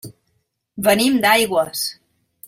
Venim d'Aigües.